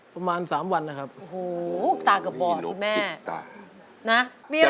ประมาณ๓วันนะครับโอ้โฮต่างกับบ่อนคุณแม่นะมีอะไรอีก